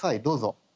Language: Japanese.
どうぞ。